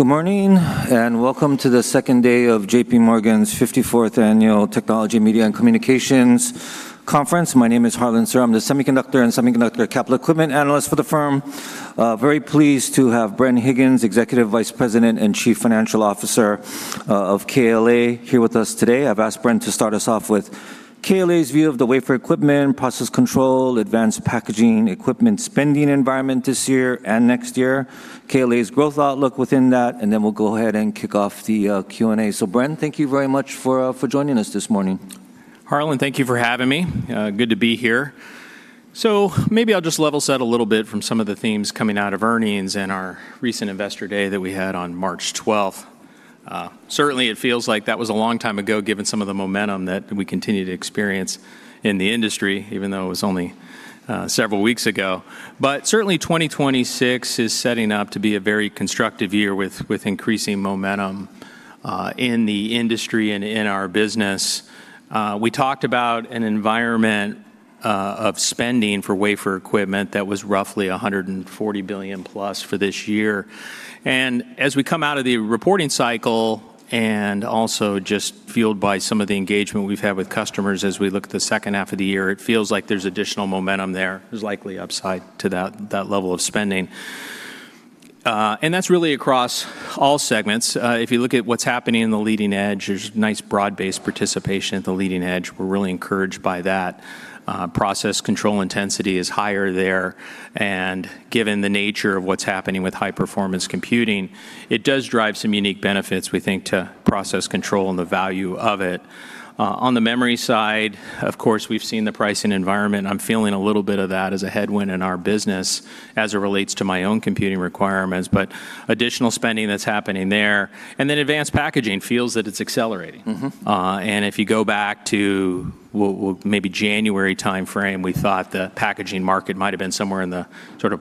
Good morning, and welcome to the second day of J.P. Morgan's 54th annual Global Technology, Media and Communications Conference. My name is Harlan Sur. I'm the semiconductor and semiconductor capital equipment analyst for the firm. Very pleased to have Bren Higgins, Executive Vice President and Chief Financial Officer, of KLA here with us today. I've asked Bren to start us off with KLA's view of the wafer equipment, process control, advanced packaging equipment spending environment this year and next year, KLA's growth outlook within that, and then we'll go ahead and kick off the Q&A. Bren, thank you very much for joining us this morning. Harlan, thank you for having me. Good to be here. Maybe I'll just level set a little bit from some of the themes coming out of earnings in our recent Investor Day that we had on March 12. Certainly, it feels like that was a long time ago, given some of the momentum that we continue to experience in the industry, even though it was only several weeks ago. Certainly 2026 is setting up to be a very constructive year with increasing momentum in the industry and in our business. We talked about an environment of spending for wafer equipment that was roughly $140 billion-plus for this year. As we come out of the reporting cycle and also just fueled by some of the engagement we've had with customers as we look at the second half of the year, it feels like there's additional momentum there. There's likely upside to that level of spending. That's really across all segments. If you look at what's happening in the leading edge, there's nice broad-based participation at the leading edge. We're really encouraged by that. Process control intensity is higher there, and given the nature of what's happening with high-performance computing, it does drive some unique benefits, we think, to process control and the value of it. On the memory side, of course, we've seen the pricing environment. I'm feeling a little bit of that as a headwind in our business as it relates to my own computing requirements, but additional spending that's happening there. Advanced packaging feels that it's accelerating. If you go back to maybe January timeframe, we thought the packaging market might have been somewhere in the sort of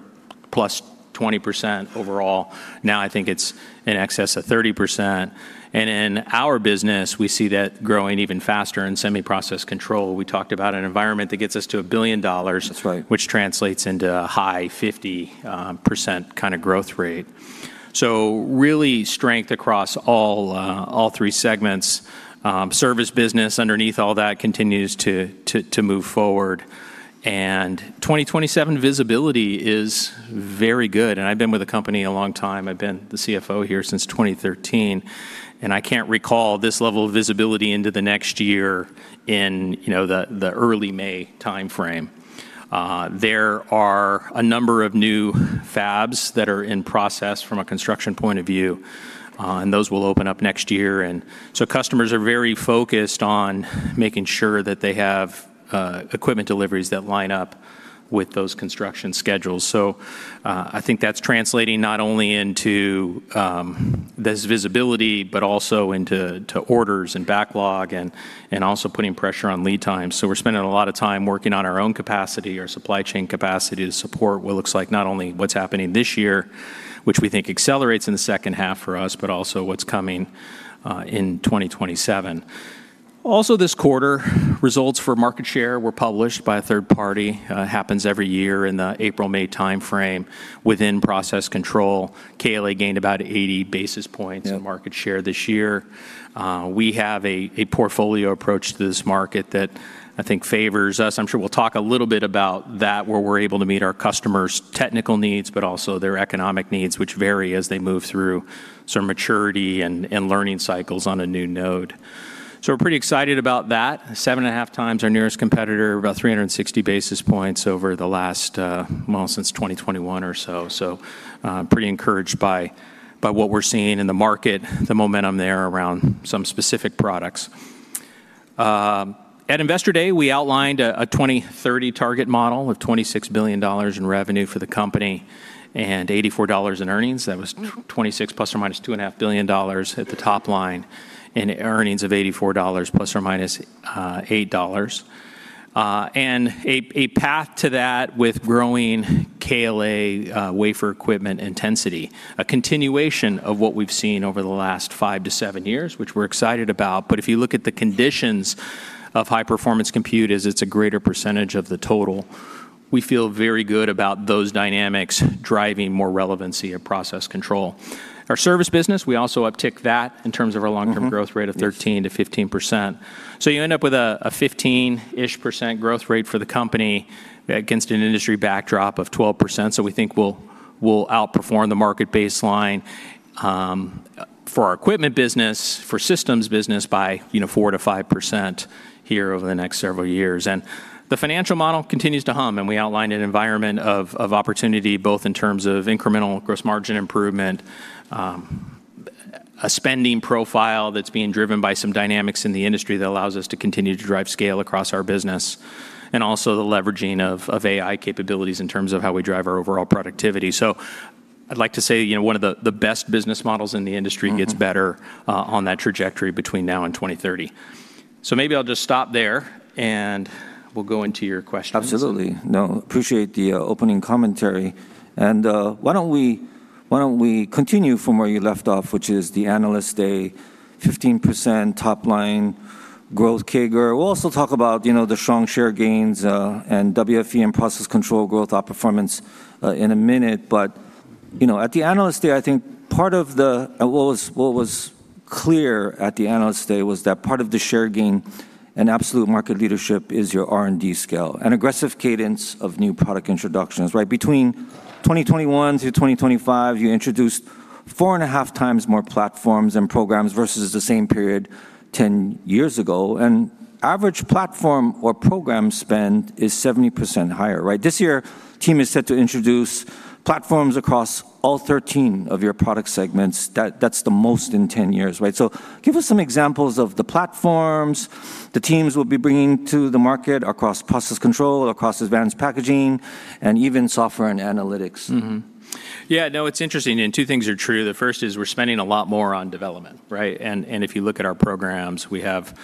plus 20% overall. Now I think it's in excess of 30%. In our business, we see that growing even faster in semiconductor process control. We talked about an environment that gets us to $1 billion. That's right. Which translates into a high 50% kinda growth rate. Really strength across all three segments. Service business underneath all that continues to move forward. 2027 visibility is very good, and I've been with the company a long time. I've been the CFO here since 2013, and I can't recall this level of visibility into the next year in, you know, the early May timeframe. There are a number of new fabs that are in process from a construction point of view, and those will open up next year. Customers are very focused on making sure that they have equipment deliveries that line up with those construction schedules. I think that's translating not only into this visibility, but also into orders and backlog and also putting pressure on lead times. We're spending a lot of time working on our own capacity, our supply chain capacity to support what looks like not only what's happening this year, which we think accelerates in the second half for us, but also what's coming in 2027. This quarter, results for market share were published by a third party, happens every year in the April-May timeframe. Within process control, KLA gained about 80 basis points. Yeah In market share this year. We have a portfolio approach to this market that I think favors us. I'm sure we'll talk a little bit about that, where we're able to meet our customers' technical needs, but also their economic needs, which vary as they move through sort of maturity and learning cycles on a new node. We're pretty excited about that. 7.5 times our nearest competitor, about 360 basis points over the last, since 2021 or so. Pretty encouraged by what we're seeing in the market, the momentum there around some specific products. At Investor Day, we outlined a 2030 target model of $26 billion in revenue for the company and $84 in earnings. That was $26 billion ±$2.5 billion at the top line and earnings of $84 ±$8. A path to that with growing KLA wafer equipment intensity, a continuation of what we've seen over the last five to seven years, which we're excited about. If you look at the conditions of high-performance computing as it's a greater percentage of the total, we feel very good about those dynamics driving more relevancy of process control. Our service business, we also uptick that in terms of our long-term- Growth rate of 13% to 15%. You end up with a 15-ish% growth rate for the company against an industry backdrop of 12%. We think we'll outperform the market baseline for our equipment business, for systems business by, you know, 4% to 5% here over the next several years. The financial model continues to hum, and we outlined an environment of opportunity, both in terms of incremental gross margin improvement, a spending profile that's being driven by some dynamics in the industry that allows us to continue to drive scale across our business, and also the leveraging of AI capabilities in terms of how we drive our overall productivity. I'd like to say, you know, one of the best business models in the industry. Gets better, on that trajectory between now and 2030. Maybe I'll just stop there, and we'll go into your questions. Absolutely. No, appreciate the opening commentary. Why don't we continue from where you left off, which is the Investor Day-15% top line growth CAGR. We'll also talk about, you know, the strong share gains, and WFE and process control growth outperformance, in a minute. You know, at the Investor Day, I think part of what was clear at the Investor Day was that part of the share gain and absolute market leadership is your R&D scale. An aggressive cadence of new product introductions, right? Between 2021 to 2025, you introduced 4.5 times more platforms and programs versus the same period 10 years ago, and average platform or program spend is 70% higher, right? This year, team is set to introduce platforms across all 13 of your product segments. That's the most in 10 years, right? Give us some examples of the platforms the teams will be bringing to the market across process control, across advanced packaging, and even software and analytics. Yeah, no, it's interesting, two things are true. The first is we're spending a lot more on development, right? If you look at our programs, we have,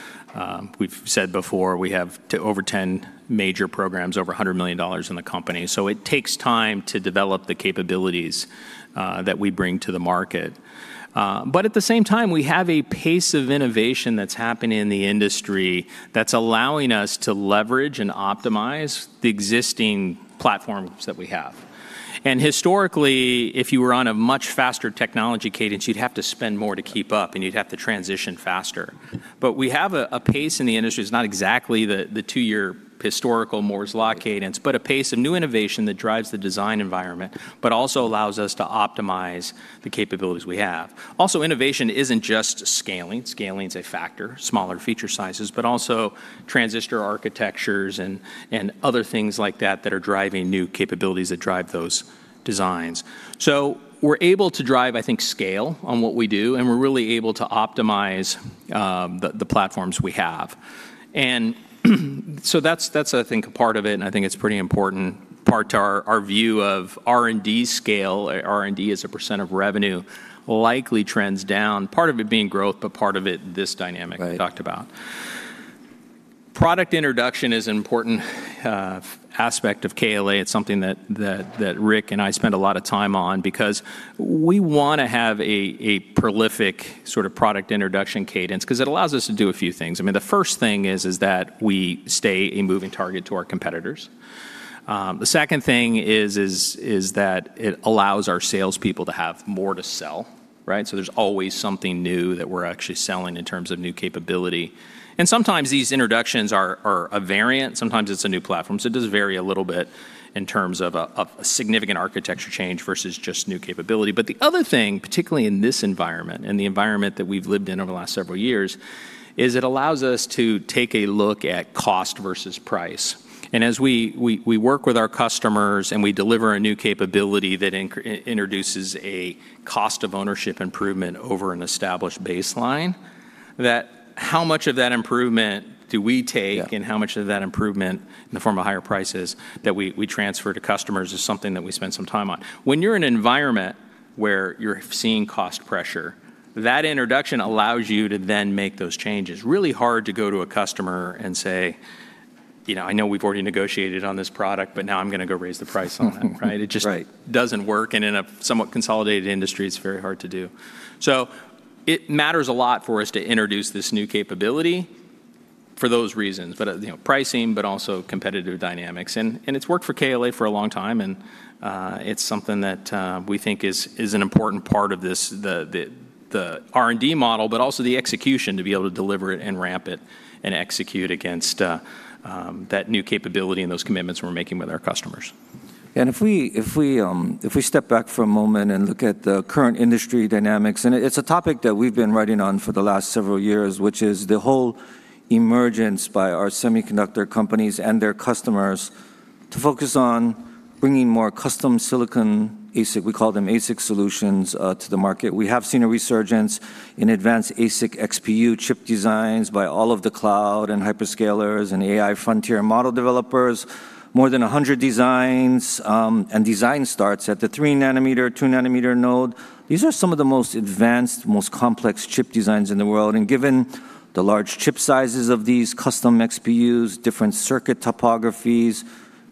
we've said before, we have to over 10 major programs, over $100 million in the company. It takes time to develop the capabilities that we bring to the market. At the same time, we have a pace of innovation that's happening in the industry that's allowing us to leverage and optimize the existing platforms that we have. Historically, if you were on a much faster technology cadence, you'd have to spend more to keep up, and you'd have to transition faster. We have a pace in the industry. It's not exactly the two-year historical Moore's Law cadence, a pace of new innovation that drives the design environment, but also allows us to optimize the capabilities we have. Innovation isn't just scaling. Scaling is a factor, smaller feature sizes, but also transistor architectures and other things like that that are driving new capabilities that drive those designs. We're able to drive, I think, scale on what we do, and we're really able to optimize the platforms we have. That's I think a part of it, and I think it's pretty important part to our view of R&D scale. R&D as a % of revenue likely trends down, part of it being growth. Right We talked about. Product introduction is an important aspect of KLA. It's something that Rick and I spend a lot of time on because we wanna have a prolific sort of product introduction cadence 'cause it allows us to do a few things. I mean, the first thing is that we stay a moving target to our competitors. The second thing is that it allows our salespeople to have more to sell, right? There's always something new that we're actually selling in terms of new capability. Sometimes these introductions are a variant, sometimes it's a new platform, it does vary a little bit in terms of a significant architecture change versus just new capability. The other thing, particularly in this environment and the environment that we've lived in over the last several years, is it allows us to take a look at cost versus price. As we work with our customers and we deliver a new capability that introduces a cost of ownership improvement over an established baseline, that how much of that improvement do we take? Yeah How much of that improvement in the form of higher prices that we transfer to customers is something that we spend some time on. When you're in an environment where you're seeing cost pressure, that introduction allows you to then make those changes. Really hard to go to a customer and say, "You know, I know we've already negotiated on this product, but now I'm gonna go raise the price on that," right? Right. It just doesn't work, and in a somewhat consolidated industry, it's very hard to do. It matters a lot for us to introduce this new capability for those reasons. You know, pricing, but also competitive dynamics. It's worked for KLA for a long time, and it's something that we think is an important part of the R&D model, but also the execution to be able to deliver it and ramp it and execute against that new capability and those commitments we're making with our customers. If we step back for a moment and look at the current industry dynamics, and it's a topic that we've been writing on for the last several years, which is the whole emergence by our semiconductor companies and their customers to focus on bringing more custom silicon ASIC, we call them ASIC solutions, to the market. We have seen a resurgence in advanced ASIC XPU chip designs by all of the cloud and hyperscalers and AI frontier model developers. More than 100 designs and designs start at the 3 nm and 2 nm nodes. These are some of the most advanced, most complex chip designs in the world, and given the large chip sizes of these custom XPUs, different circuit topographies,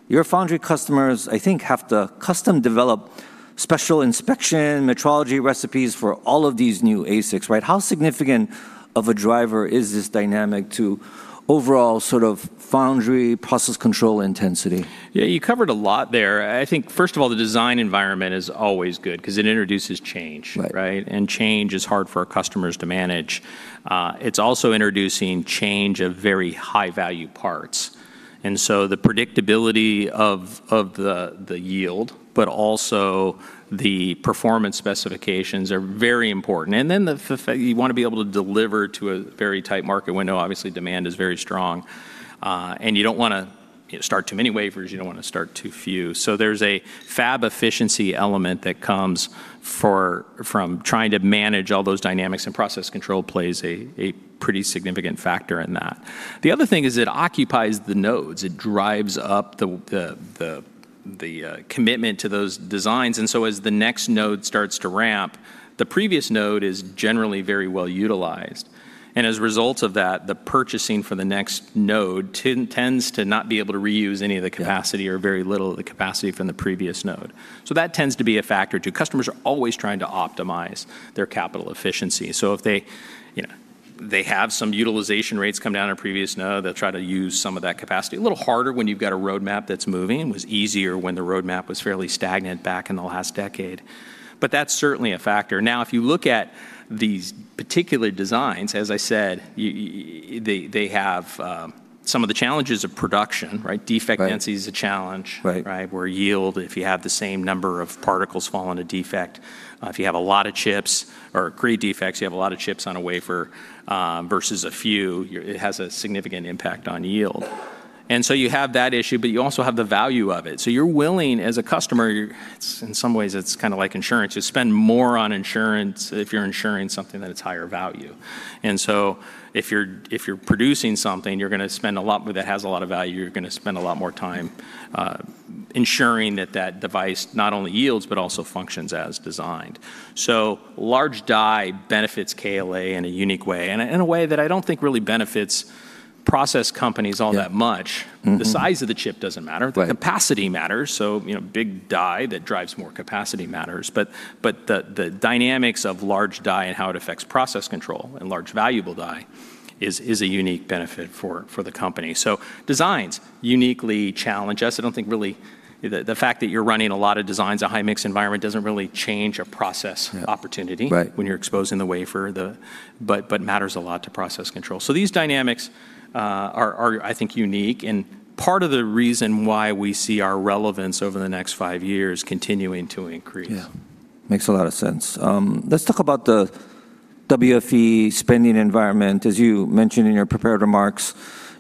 your foundry customers, I think, have to custom develop special inspection metrology recipes for all of these new ASICs, right? How significant of a driver is this dynamic to overall sort of foundry process control intensity? Yeah, you covered a lot there. I think, first of all, the design environment is always good 'cause it introduces change. Right. Right? Change is hard for our customers to manage. It's also introducing change of very high-value parts, the predictability of the yield, but also the performance specifications are very important. You wanna be able to deliver to a very tight market window. Obviously, demand is very strong, you don't wanna start too many wafers, you don't wanna start too few. There's a fab efficiency element that comes from trying to manage all those dynamics, process control plays a pretty significant factor in that. The other thing is it occupies the nodes. It drives up the commitment to those designs. As the next node starts to ramp, the previous node is generally very well utilized. As a result of that, the purchasing for the next node tends to not be able to reuse any of the capacity. Yeah Or very little of the capacity from the previous node. That tends to be a factor, too. Customers are always trying to optimize their capital efficiency. If they, you know, they have some utilization rates come down in a previous node, they'll try to use some of that capacity. A little harder when you've got a roadmap that's moving. It was easier when the roadmap was fairly stagnant back in the last decade, but that's certainly a factor. Now, if you look at these particular designs, as I said, you, they have some of the challenges of production, right? Right. Defect Density is a challenge. Right. Right? Where yield, if you have the same number of particles fall into defect, if you have a lot of chips or grade defects, you have a lot of chips on a wafer, versus a few, it has a significant impact on yield. You have that issue, but you also have the value of it. You're willing, as a customer, it's, in some ways it's kind of like insurance. You spend more on insurance if you're insuring something that it's higher value. If you're, if you're producing something, you're gonna spend a lot, but it has a lot of value, you're gonna spend a lot more time, ensuring that that device not only yields but also functions as designed. Large die benefits KLA in a unique way, and in a way that I don't think really benefits process companies all that much. Yeah. Mm-hmm. The size of the chip doesn't matter. Right. The capacity matters, you know, big die that drives more capacity matters, the dynamics of large die and how it affects process control and large valuable die is a unique benefit for the company. Designs uniquely challenge us. I don't think really the fact that you're running a lot of designs, a high-mix environment doesn't really change a. Yeah Opportunity- Right When you're exposing the wafer, but matters a lot to process control. These dynamics are I think unique and part of the reason why we see our relevance over the next five years continuing to increase. Yeah. Makes a lot of sense. Let's talk about the WFE spending environment. As you mentioned in your prepared remarks,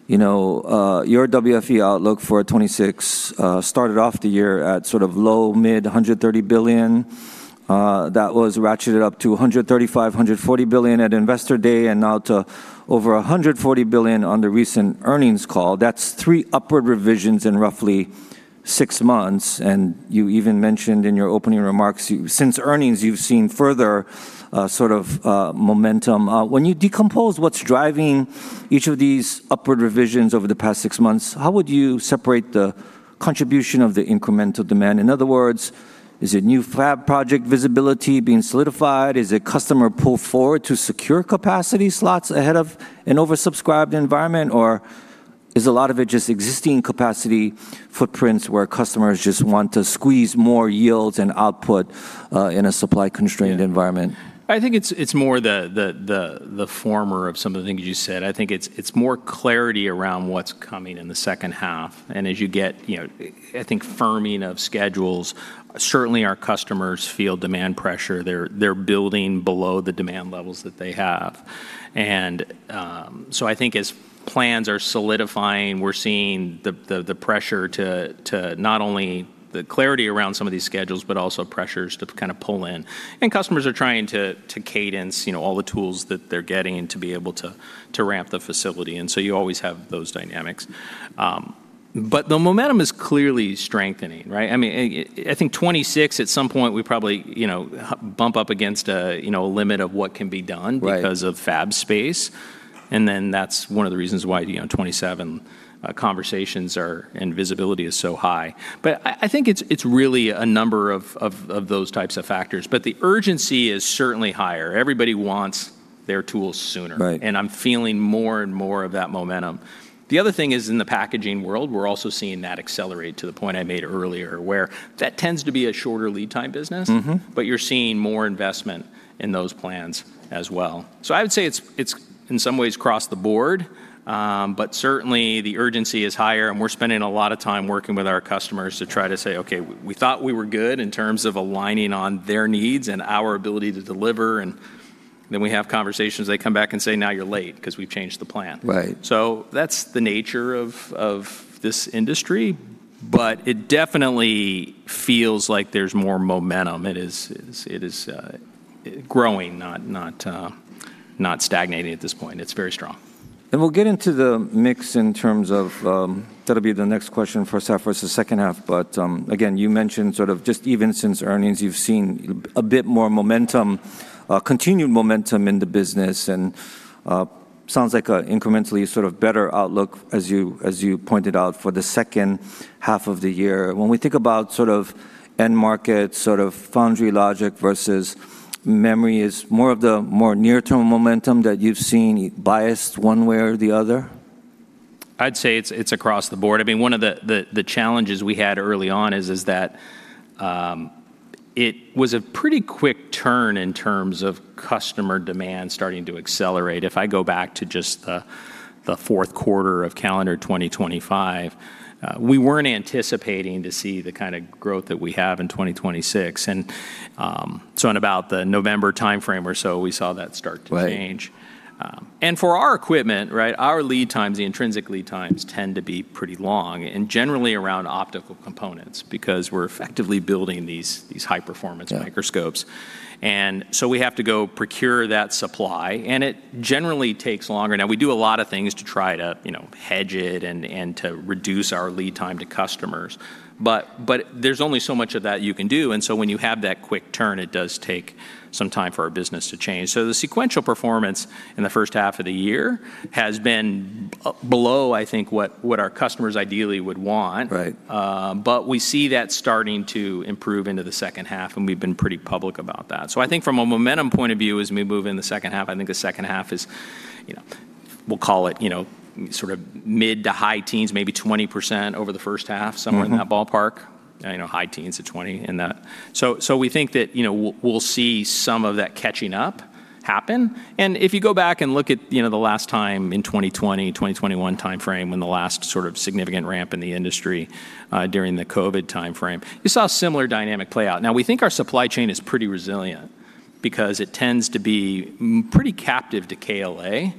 you know, your WFE outlook for 2026 started off the year at sort of low, mid $130 billion. That was ratcheted up to $135 billion-$140 billion at Investor Day and now to over $140 billion on the recent earnings call. That's three upward revisions in roughly six months, and you even mentioned in your opening remarks, since earnings, you've seen further sort of momentum. When you decompose what's driving each of these upward revisions over the past six months, how would you separate the contribution of the incremental demand? In other words, is it new fab project visibility being solidified? Is it customer pull forward to secure capacity slots ahead of an oversubscribed environment? Is a lot of it just existing capacity footprints where customers just want to squeeze more yields and output in a supply-constrained environment? Yeah. I think it's more the former of some of the things you said. I think it's more clarity around what's coming in the second half. As you get, you know, I think firming of schedules, certainly our customers feel demand pressure. They're building below the demand levels that they have. I think as plans are solidifying, we're seeing the pressure to not only the clarity around some of these schedules, but also pressures to kind of pull in. Customers are trying to cadence, you know, all the tools that they're getting to be able to ramp the facility, you always have those dynamics. The momentum is clearly strengthening, right? I mean, I think 2026 at some point we probably, you know, bump up against a, you know, a limit of what can be done. Right Because of fab space, that's one of the reasons why, you know, 2027 conversations are, and visibility is so high. I think it's really a number of those types of factors. The urgency is certainly higher. Everybody wants their tools sooner. Right. I'm feeling more and more of that momentum. The other thing is in the packaging world, we're also seeing that accelerate to the point I made earlier, where that tends to be a shorter lead time business. You're seeing more investment in those plans as well. I would say it's in some ways across the board, but certainly the urgency is higher, and we're spending a lot of time working with our customers to try to say, "Okay, we thought we were good in terms of aligning on their needs and our ability to deliver." We have conversations, they come back and say, "Now you're late 'cause we've changed the plan. Right. That's the nature of this industry, but it definitely feels like there's more momentum. It is growing, not stagnating at this point. It's very strong. We'll get into the mix in terms of, that'll be the next question for us after the second half. Again, you mentioned sort of just even since earnings, you've seen a bit more momentum, continued momentum in the business, and sounds like a incrementally sort of better outlook as you, as you pointed out for the second half of the year. When we think about sort of end market, sort of foundry logic versus memory, is more of the more near-term momentum that you've seen biased one way or the other? I'd say it's across the board. I mean, one of the challenges we had early on is that it was a pretty quick turn in terms of customer demand starting to accelerate. If I go back to just the fourth quarter of calendar 2025, we weren't anticipating to see the kinda growth that we have in 2026. In about the November timeframe or so, we saw that start to change. Right. For our equipment, our lead times, the intrinsic lead times tend to be pretty long and generally around optical components because we're effectively building these high-performance microscopes. Yeah. We have to go procure that supply, and it generally takes longer. Now we do a lot of things to try to, you know, hedge it and to reduce our lead time to customers, but there's only so much of that you can do. When you have that quick turn, it does take some time for our business to change. The sequential performance in the first half of the year has been below, I think, what our customers ideally would want. Right. We see that starting to improve into the second half, and we've been pretty public about that. I think from a momentum point of view, as we move in the second half, I think the second half is, you know, we'll call it, you know, sort of mid-to-high teens, maybe 20% over the first half. Somewhere in that ballpark. You know, high teens to 20 in that. We think that, you know, we'll see some of that catching up happen. If you go back and look at, you know, the last time in 2020, 2021 timeframe, when the last sort of significant ramp in the industry, during the COVID timeframe, you saw a similar dynamic play out. Now, we think our supply chain is pretty resilient because it tends to be pretty captive to KLA.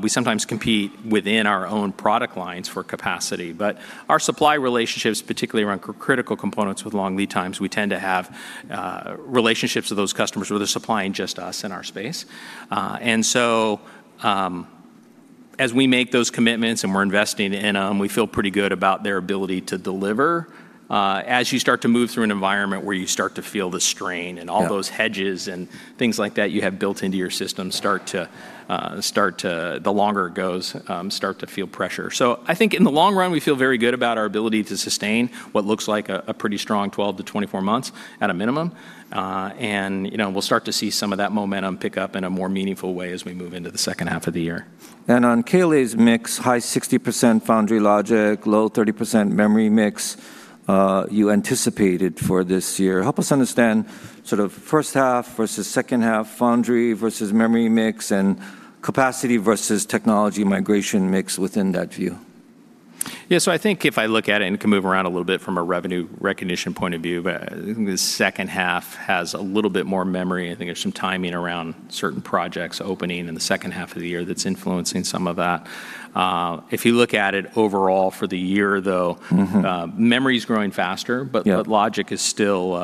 We sometimes compete within our own product lines for capacity. Our supply relationships, particularly around critical components with long lead times, we tend to have relationships with those customers where they're supplying just us in our space. As we make those commitments and we're investing in 'em, we feel pretty good about their ability to deliver. As you start to move through an environment where you start to feel the strain. Yeah Those hedges and things like that you have built into your system start to, the longer it goes, start to feel pressure. I think in the long run, we feel very good about our ability to sustain what looks like a pretty strong 12 to 24 months at a minimum. You know, we'll start to see some of that momentum pick up in a more meaningful way as we move into the second half of the year. On KLA's mix, high 60% foundry logic, low 30% memory mix, you anticipated for this year. Help us understand sort of first half versus second half foundry versus memory mix and capacity versus technology migration mix within that view. Yeah. I think if I look at it and can move around a little bit from a revenue recognition point of view, but I think the second half has a little bit more memory. I think there's some timing around certain projects opening in the second half of the year that's influencing some of that. If you look at it overall for the year though. Memory's growing faster. Yeah Logic is still,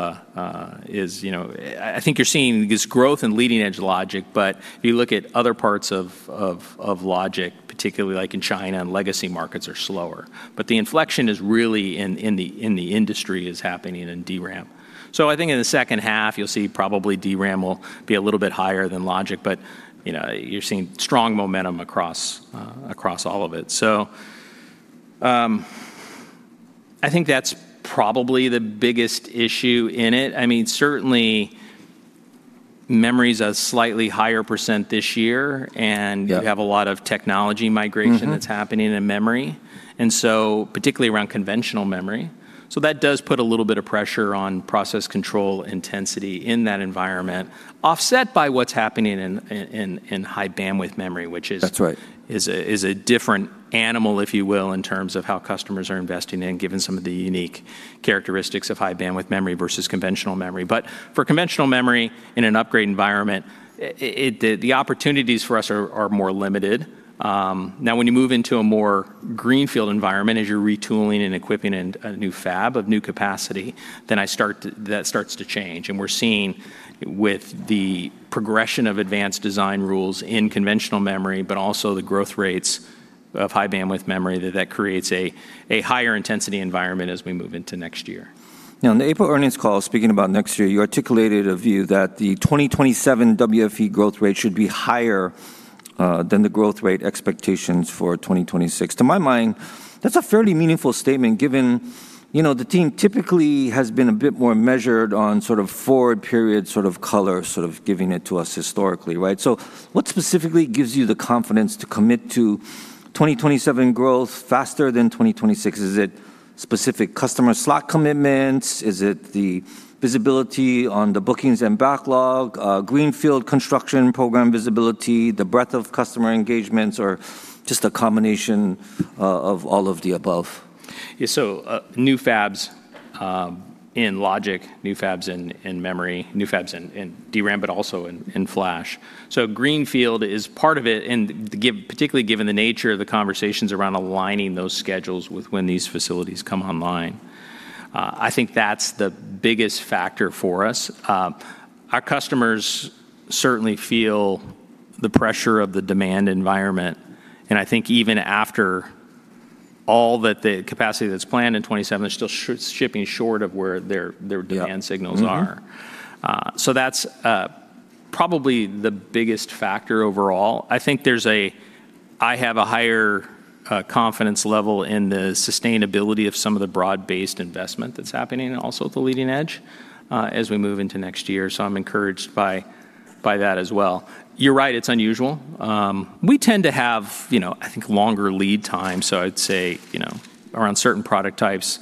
is, you know, I think you're seeing this growth in leading-edge logic, but if you look at other parts of logic, particularly like in China and legacy markets are slower. The inflection is really in the industry is happening in DRAM. I think in the second half you'll see probably DRAM will be a little bit higher than logic, but, you know, you're seeing strong momentum across across all of it. I think that's probably the biggest issue in it. I mean, certainly memory's a slightly higher % this year and. Yeah You have a lot of technology migration. That's happening in memory, and so particularly around conventional memory. That does put a little bit of pressure on process control intensity in that environment, offset by what's happening in high bandwidth memory. That's right. Is a different animal, if you will, in terms of how customers are investing in, given some of the unique characteristics of High-Bandwidth Memory versus conventional memory. For conventional memory in an upgrade environment, the opportunities for us are more limited. When you move into a more greenfield environment as you're retooling and equipping in a new fab of new capacity, that starts to change. We're seeing with the progression of advanced design rules in conventional memory, but also the growth rates of High-Bandwidth Memory, that creates a higher intensity environment as we move into next year. Now, in the April earnings call speaking about next year, you articulated a view that the 2027 WFE growth rate should be higher than the growth rate expectations for 2026. To my mind, that's a fairly meaningful statement given, you know, the team typically has been a bit more measured on sort of forward period sort of color, sort of giving it to us historically, right? What specifically gives you the confidence to commit to 2027 growth faster than 2026? Is it specific customer slot commitments? Is it the visibility on the bookings and backlog, greenfield construction program visibility, the breadth of customer engagements, or just a combination of all of the above? New fabs in logic, new fabs in memory, new fabs in DRAM, but also in flash. Greenfield is part of it and particularly given the nature of the conversations around aligning those schedules with when these facilities come online. I think that's the biggest factor for us. Our customers certainly feel the pressure of the demand environment, and I think even after all that the capacity that's planned in 2027 is still shipping short of where their. Yeah. Mm-hmm. Demand signals are. That's probably the biggest factor overall. I think I have a higher confidence level in the sustainability of some of the broad-based investment that's happening and also at the leading edge as we move into next year. I'm encouraged by that as well. You're right, it's unusual. We tend to have, you know, I think longer lead time. I'd say, you know, around certain product types,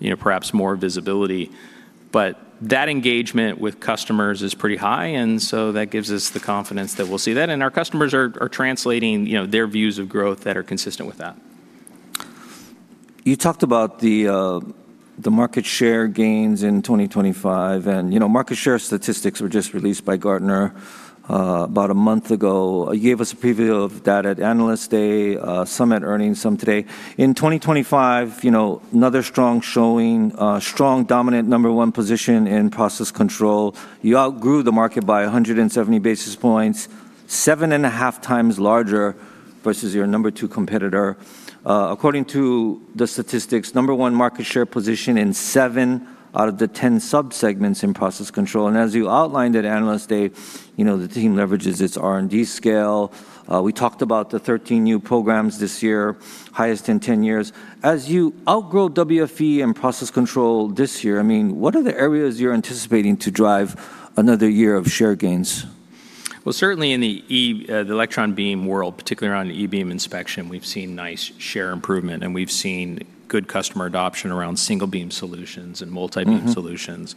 you know, perhaps more visibility. That engagement with customers is pretty high. That gives us the confidence that we'll see that. Our customers are translating, you know, their views of growth that are consistent with that. You talked about the market share gains in 2025 and, you know, market share statistics were just released by Gartner about a month ago. You gave us a preview of that at Investor Day, some at earnings, some today. In 2025, you know, another strong showing, strong dominant Number 1 position in process control. You outgrew the market by 170 basis points, 7.5 times larger versus your Number 2 competitor. According to the statistics, Number 1 market share position in seven out of the 10 sub-segments in process control. As you outlined at Investor Day, you know, the team leverages its R&D scale. We talked about the 13 new programs this year, highest in 10 years. As you outgrow WFE and process control this year, I mean, what are the areas you're anticipating to drive another year of share gains? Well, certainly in the electron beam world, particularly around the e-beam inspection, we've seen nice share improvement, and we've seen good customer adoption around single-beam solutions and multi-beam solutions.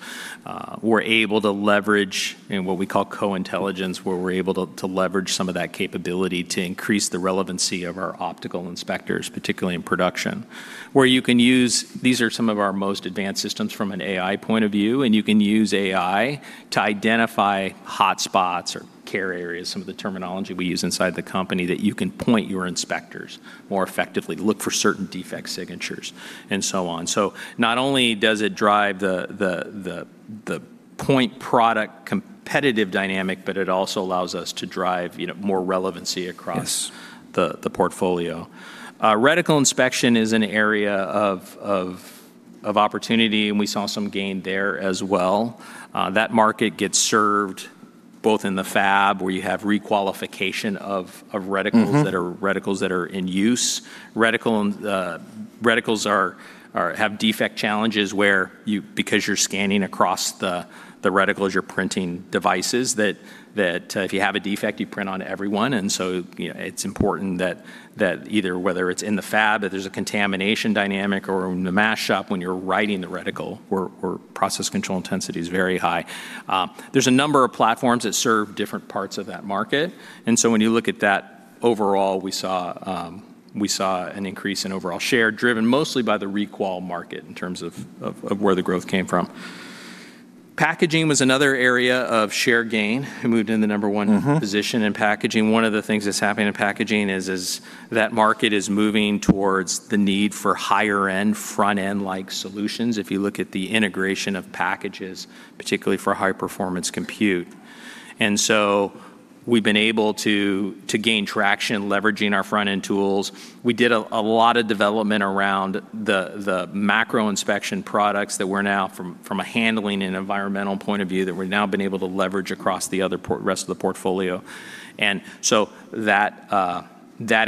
We're able to leverage in what we call co-intelligence, where we're able to leverage some of that capability to increase the relevancy of our optical inspectors, particularly in production. Where you can use, these are some of our most advanced systems from an AI point of view, and you can use AI to identify hotspots or care areas, some of the terminology we use inside the company, that you can point your inspectors more effectively to look for certain defect signatures and so on. Not only does it drive the point product competitive dynamic, but it also allows us to drive, you know, more relevancy across Yes The portfolio. Reticle inspection is an area of opportunity, we saw some gain there as well. That market gets served both in the fab, where you have requalification of reticles. Reticles that are in use. Reticles have defect challenges where you, because you're scanning across the reticles, you're printing devices that if you have a defect, you print onto every one, you know, it's important that either whether it's in the fab, that there's a contamination dynamic, or in the mask shop when you're writing the reticle where process control intensity is very high. There's a number of platforms that serve different parts of that market. When you look at that overall, we saw an increase in overall share, driven mostly by the requal market in terms of where the growth came from. Packaging was another area of share gain. We moved into Number 1. Position in packaging. One of the things that's happening in packaging is that market is moving towards the need for higher-end, front-end-like solutions, if you look at the integration of packages, particularly for high-performance compute. We've been able to gain traction leveraging our front-end tools. We did a lot of development around the macro inspection products that we're now from a handling and environmental point of view, that we've now been able to leverage across the rest of the portfolio. That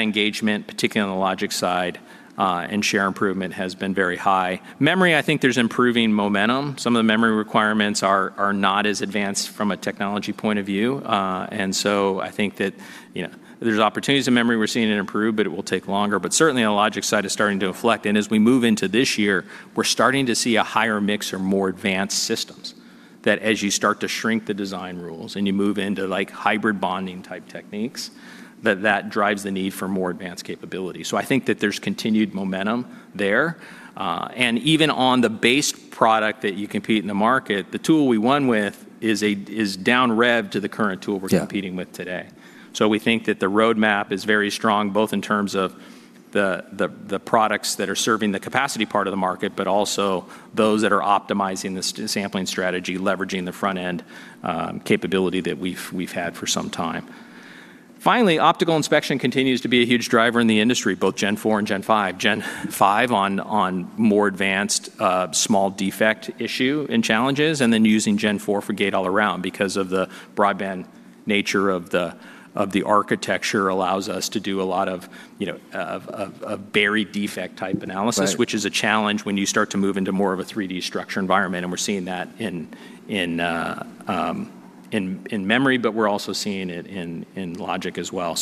engagement, particularly on the logic side, and share improvement has been very high. Memory, I think there's improving momentum. Some of the memory requirements are not as advanced from a technology point of view. I think that, you know, there's opportunities in memory we're seeing it improve, but it will take longer. Certainly on the logic side, it's starting to inflect. As we move into this year, we're starting to see a higher mix or more advanced systems. That as you start to shrink the design rules and you move into like hybrid bonding type techniques, that drives the need for more advanced capability. I think that there's continued momentum there. Even on the base product that you compete in the market; the tool we won with is down rev to the current tool we're- Yeah Competing with today. We think that the roadmap is very strong, both in terms of the products that are serving the capacity part of the market, but also those that are optimizing the sampling strategy, leveraging the front-end capability that we've had for some time. Finally, optical inspection continues to be a huge driver in the industry, both Gen 4 and Gen 5. Gen 5 on more advanced, small defect issue and challenges, and then using Gen 4 for Gate-All-Around because of the broadband nature of the architecture allows us to do a lot of buried defect type analysis. Right Which is a challenge when you start to move into more of a 3D structure environment. We're seeing that in memory, but we're also seeing it in logic as well.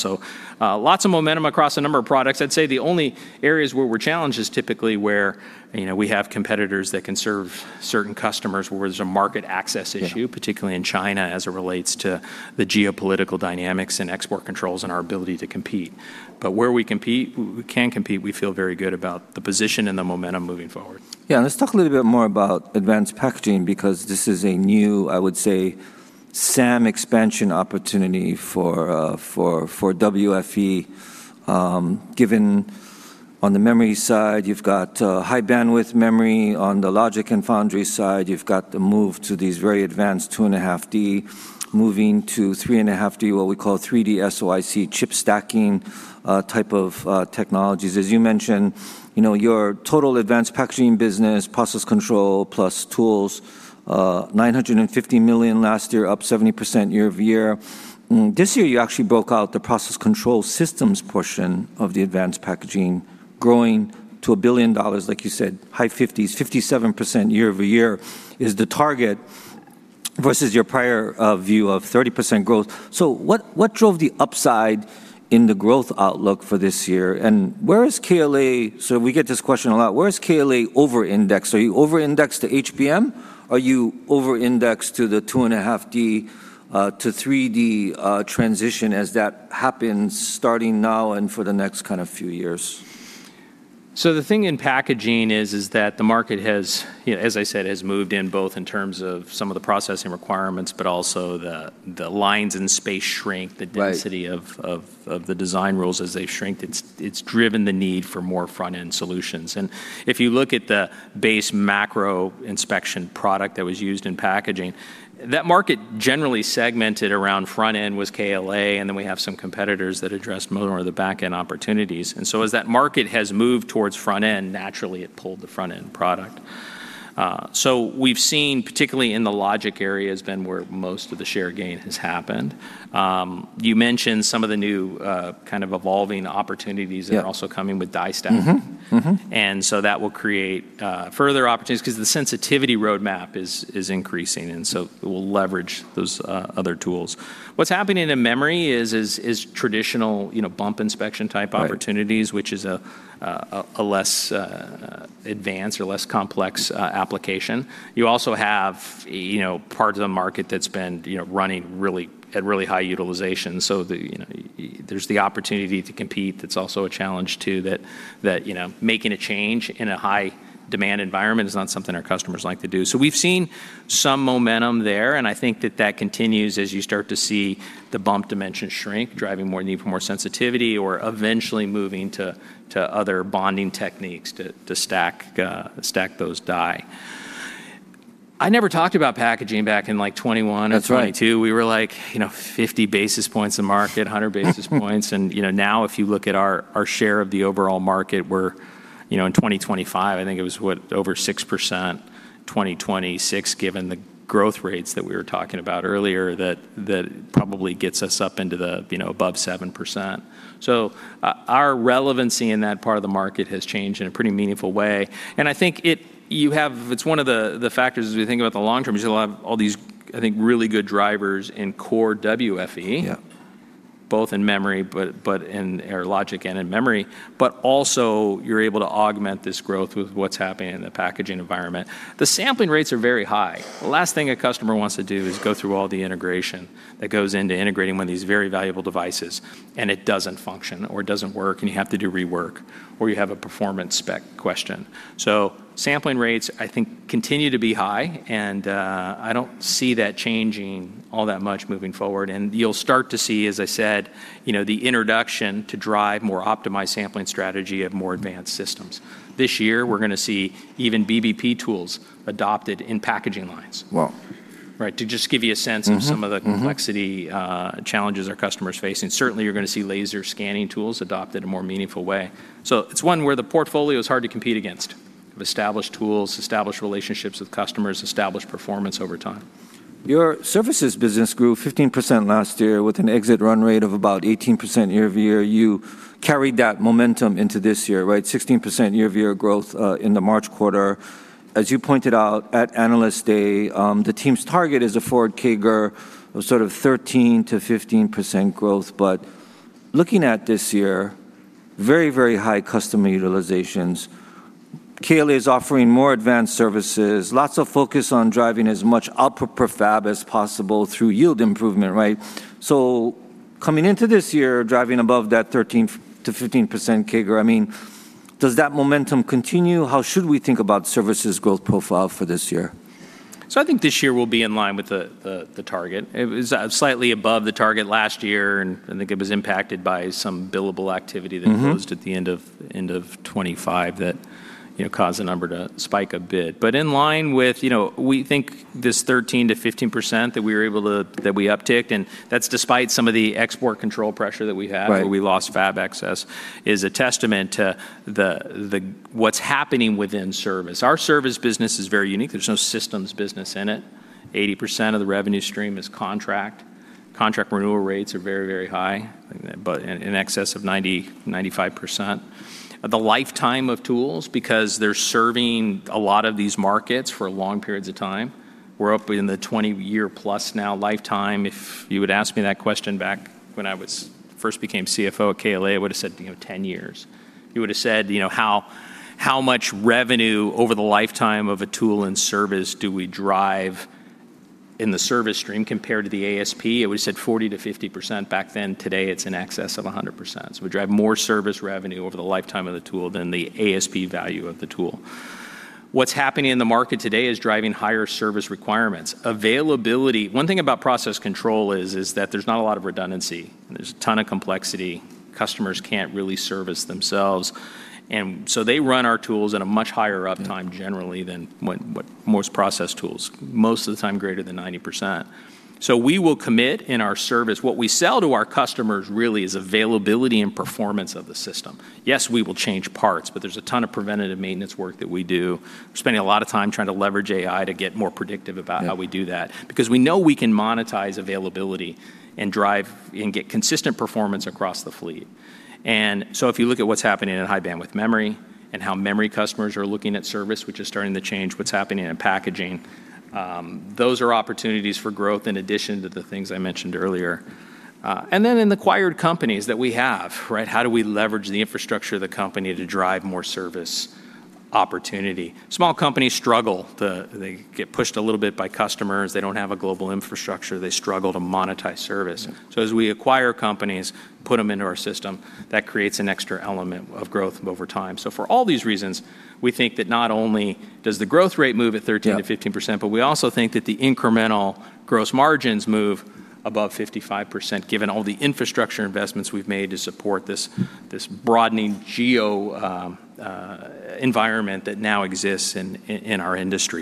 Lots of momentum across a number of products. I'd say the only areas where we're challenged is typically where, you know, we have competitors that can serve certain customers, where there's a market access issue. Yeah Particularly in China as it relates to the geopolitical dynamics and export controls and our ability to compete. Where we compete, we can compete, we feel very good about the position and the momentum moving forward. Let's talk a little bit more about advanced packaging because this is a new, I would say, SAM expansion opportunity for WFE. Given on the memory side, you've got High-Bandwidth Memory. On the logic and foundry side, you've got the move to these very advanced 2.5D moving to 3.5D, what we call 3D SoIC chip stacking type of technologies. As you mentioned, you know, your total advanced packaging business, process control plus tools, $950 million last year, up 70% year-over-year. This year you actually broke out the process control systems portion of the advanced packaging, growing to $1 billion, like you said, high 50s, 57% year-over-year is the target versus your prior view of 30% growth. What drove the upside in the growth outlook for this year? Where is KLA, so we get this question a lot, where is KLA over-indexed? Are you over-indexed to HBM? Are you over-indexed to the 2.5D to 3D transition as that happens starting now and for the next kind of few years? The thing in packaging is that the market has, you know, as I said, has moved in both in terms of some of the processing requirements, but also the lines and space shrink. Right The density of the design rules as they've shrinked. It's driven the need for more front-end solutions. If you look at the base macro inspection product that was used in packaging, that market generally segmented around front end was KLA, and then we have some competitors that addressed more of the back-end opportunities. As that market has moved towards front end, naturally it pulled the front-end product. We've seen, particularly in the logic area, has been where most of the share gain has happened. You mentioned some of the new, kind of evolving opportunities. Yeah That are also coming with die stack. Mm-hmm. Mm-hmm. That will create further opportunities 'cause the sensitivity roadmap is increasing, and so we'll leverage those other tools. What's happening in memory is traditional, you know, bump inspection type opportunities. Right Which is a less advanced or less complex application. You also have, you know, parts of the market that's been, you know, running really high utilization. The, you know, there's the opportunity to compete. That's also a challenge, too, that, you know, making a change in a high demand environment is not something our customers like to do. We've seen some momentum there, and I think that continues as you start to see the bump dimension shrink, driving more need for more sensitivity or eventually moving to other bonding techniques to stack those die. I never talked about packaging back in, like, 2021 and 2022. That's right. We were, like, you know, 50 basis points a market, 100 basis points. You know, now if you look at our share of the overall market, we're, you know, in 2025, I think it was, what, over 6%. 2026, given the growth rates that we were talking about earlier, that probably gets us up into the, you know, above 7%. Our relevancy in that part of the market has changed in a pretty meaningful way, and I think it's one of the factors as we think about the long term is you'll have all these, I think, really good drivers in core WFE- Yeah Both in memory, but in our logic and in memory. Also you're able to augment this growth with what's happening in the packaging environment. The sampling rates are very high. The last thing a customer wants to do is go through all the integration that goes into integrating one of these very valuable devices, and it doesn't function or doesn't work, and you have to do rework, or you have a performance spec question. Sampling rates, I think, continue to be high, and I don't see that changing all that much moving forward. You'll start to see, as I said, you know, the introduction to drive more optimized sampling strategy of more advanced systems. This year we're going to see even BBP tools adopted in packaging lines. Wow. Right, to just give you a sense of. Mm-hmm, mm-hmm Of the complexity, challenges our customer's facing. Certainly, you're gonna see laser scanning tools adopted in a more meaningful way. It's one where the portfolio is hard to compete against. We've established tools, established relationships with customers, established performance over time. Your services business grew 15% last year with an exit run rate of about 18% year-over-year. You carried that momentum into this year, right? 16% year-over-year growth in the March quarter. As you pointed out at Analyst Day, the team's target is a forward CAGR of sort of 13% to 15% growth. Looking at this year, very, very high customer utilizations. KLA is offering more advanced services, lots of focus on driving as much out of fab as possible through yield improvement, right? Coming into this year, driving above that 13% to 15% CAGR, I mean, does that momentum continue? How should we think about services growth profile for this year? I think this year we'll be in line with the target. It was slightly above the target last year. I think it was impacted by some billable activity. Closed at the end of 2025 that, you know, caused the number to spike a bit. In line with, you know, we think this 13%-15% that we upticked, and that's despite some of the export control pressure that we had. Right Where we lost fab access, is a testament to what's happening within service. Our service business is very unique. There's no systems business in it. 80% of the revenue stream is contract. Contract renewal rates are high, in excess of 90%-95%. The lifetime of tools, because they're serving a lot of these markets for long periods of time, we're up in the 20-year plus now lifetime. If you had asked me that question back when I first became CFO at KLA, I would've said, you know, 10 years. You would've said, you know, how much revenue over the lifetime of a tool and service do we drive in the service stream compared to the ASP? I would've said 40%-50% back then. Today, it's in excess of 100%. We drive more service revenue over the lifetime of the tool than the ASP value of the tool. What's happening in the market today is driving higher service requirements. Availability, one thing about process control is that there's not a lot of redundancy. There's a ton of complexity. Customers can't really service themselves; they run our tools at a much higher uptime generally than what most process tools. Most of the time greater than 90%. We will commit in our service, what we sell to our customers really is availability and performance of the system. Yes, we will change parts, there's a ton of preventative maintenance work that we do. We're spending a lot of time trying to leverage AI to get more predictive about how we do that because we know we can monetize availability and drive and get consistent performance across the fleet. If you look at what's happening in High-Bandwidth Memory and how memory customers are looking at service, which is starting to change what's happening in packaging, those are opportunities for growth in addition to the things I mentioned earlier. In the acquired companies that we have, right, how do we leverage the infrastructure of the company to drive more service opportunity? Small companies struggle. They get pushed a little bit by customers. They don't have a global infrastructure. They struggle to monetize service. As we acquire companies, put them into our system, that creates an extra element of growth over time. For all these reasons, we think that not only does the growth rate move at 13%-15%. Yeah We also think that the incremental gross margins move above 55% given all the infrastructure investments we've made to support this broadening geo, environment that now exists in our industry.